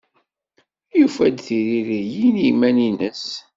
Yufa-d tiririyin i yiman-nnes.